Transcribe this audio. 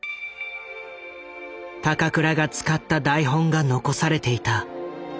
高倉が使った台本が残されていた。